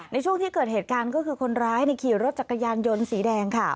ในช่วงที่เกิดเหตุการณ์ก็คือคนร้ายขี่รถจักรยานยนต์สีแดงค่ะ